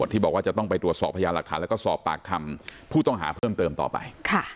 ที่บอกว่าจะต้องไปตรวจสอบพยานหลักฐานแล้วก็สอบปากคำผู้ต้องหาเพิ่มเติมต่อไป